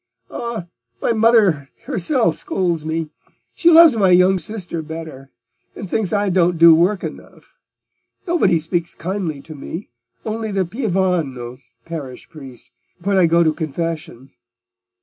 "Ah, my mother herself scolds me: she loves my young sister better, and thinks I don't do work enough. Nobody speaks kindly to me, only the Pievano (parish priest) when I go to confession.